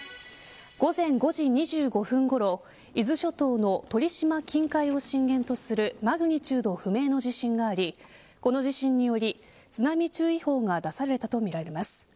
午前５時２５分ごろ伊豆諸島の鳥島近海を震源とするマグニチュード不明の地震がありこの地震により津波注意報が出されたとみられます。